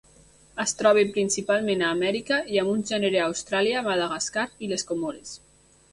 Es troba principalment a Amèrica i amb un gènere a Austràlia, Madagascar i les Comores.